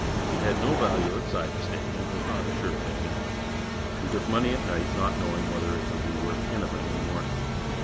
It had no value outside the state and was not a sure thing in it. You took money at night, not knowing whether it would be worth anything in the morning.